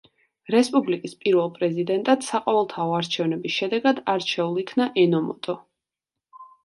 რესპუბლიკის პირველ პრეზიდენტად საყოველთაო არჩევნების შედეგად არჩეულ იქნა ენომოტო.